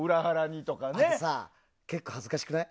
あとさ、結構恥ずかしくない？